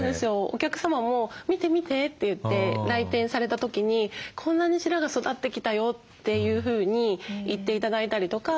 お客様も「見て見て」って言って来店された時に「こんなに白髪育ってきたよ」というふうに言って頂いたりとか。